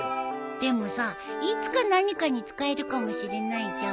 でもさいつか何かに使えるかもしれないじゃん。